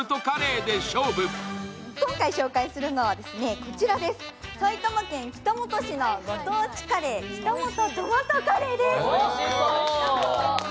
今回ご紹介するのは、埼玉県北本市のご当地カレー、北本トマトカレーです。